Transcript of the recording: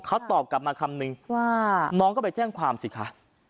เขาตอบกลับมาคำนึงว่าน้องก็ไปแจ้งความสิคะ